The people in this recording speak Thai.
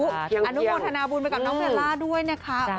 อนุโมทนาบุญไปกับน้องเบลล่าด้วยนะคะ